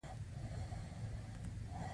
ښځه جامې مینځي.